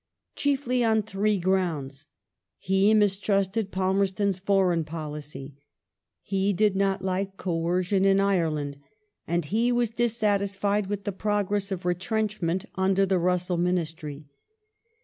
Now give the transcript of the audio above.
Chiefly on three grounds : he mistrusted Palmerston's foreign policy, he did not like ''coercion" in Ireland, and he was dissatisfied with the progress of "retrenchment" under the Russell Ministry.